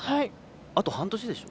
あと半年でしょ。